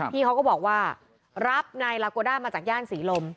พี่เขาก็บอกว่ารับนายลาโกด้ามาจากย่านศรีลม